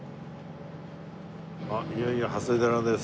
いよいよ長谷寺です。